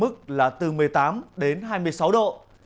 nhiệt độ ngày đêm đạt được mức là từ một mươi tám đến hai mươi sáu độ